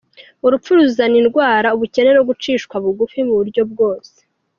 Urupfu ruzana indwara, ubukene no gucishwa bugufi mu buryo bwose.